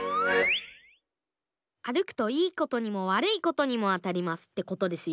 あるくといいことにもわるいことにもあたりますってことですよ。